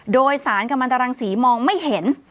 โดยสารกำลังตรังสีมองไม่เห็น